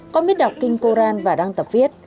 có biết đọc kinh coran và đang tập viết